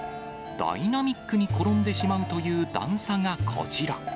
ダイナミックに転んでしまうという段差がこちら。